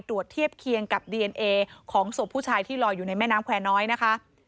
เทียบเคียงกับดีเอนเอของศพผู้ชายที่ลอยอยู่ในแม่น้ำแควร์น้อยนะคะ